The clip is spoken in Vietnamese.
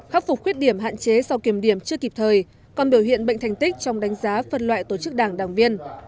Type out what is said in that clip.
khắc phục khuyết điểm hạn chế sau kiểm điểm chưa kịp thời còn biểu hiện bệnh thành tích trong đánh giá phân loại tổ chức đảng đảng viên